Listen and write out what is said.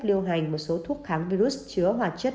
lưu hành một số thuốc kháng virus chứa hoạt chất